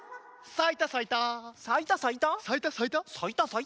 さいたさいた。